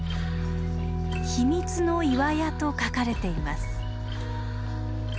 「秘密の岩屋」と書かれています。